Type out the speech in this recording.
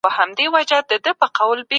صنعتي انقلاب لویدیځ بدل کړ.